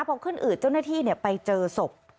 พอขึ้นอืดเจ้าหน้าที่ไปเจอศพ